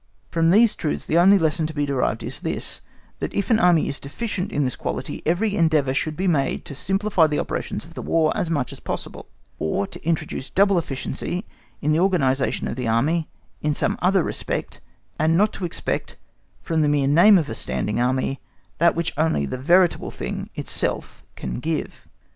From these truths the only lesson to be derived is this, that if an Army is deficient in this quality, every endeavour should be made to simplify the operations of the War as much as possible, or to introduce double efficiency in the organisation of the Army in some other respect, and not to expect from the mere name of a standing Army, that which only the veritable thing itself can give.